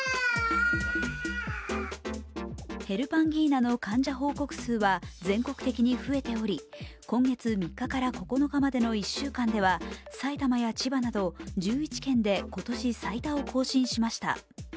ヘルパンギーナの患者報告数は全国的に増えており、今月３日から９日までの１週間では埼玉や千葉など１１県で今年最多を更新しました。